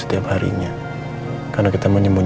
kapanpun aku mau